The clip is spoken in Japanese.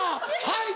「はい！